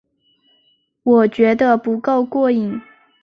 我觉得不够过瘾